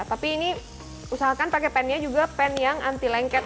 tapi ini usahakan pakai pennya juga pan yang anti lengket